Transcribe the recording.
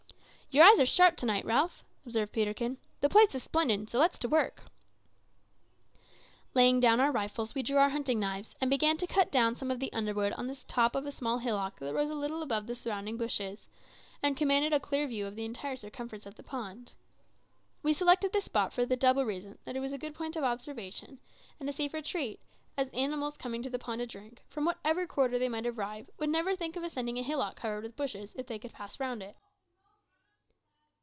"Your eyes are sharp to night, Ralph," observed Peterkin; "the place is splendid, so let's to work." Laying down our rifles, we drew our hunting knives, and began to cut down some of the underwood on the top of a small hillock that rose a little above the surrounding bushes, and commanded a clear view of the entire circumference of the pond. We selected this spot for the double reason that it was a good point of observation and a safe retreat, as animals coming to the pond to drink, from whatever quarter they might arrive, would never think of ascending a hillock covered with bushes, if they could pass round it.